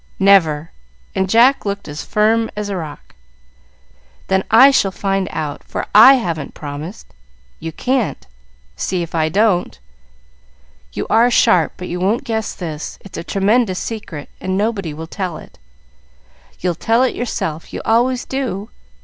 "Never!" and Jack looked as firm as a rock. "Then I shall find out, for I haven't promised." "You can't." "See if I don't!" "You are sharp, but you won't guess this. It's a tremendous secret, and nobody will tell it." "You'll tell it yourself. You always do."